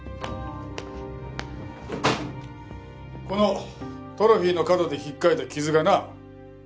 このトロフィーの角で引っかいた傷がな。